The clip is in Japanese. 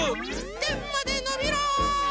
てんまでのびろ！